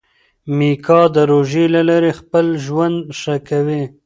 میکا د روژې له لارې خپل ژوند ښه کوي.